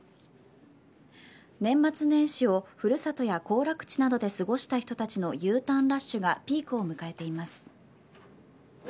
年末年始を古里や行楽地などで過ごした人たちのＵターンラッシュがピークを迎えています。